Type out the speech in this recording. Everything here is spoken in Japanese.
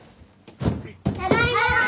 ・ただいま。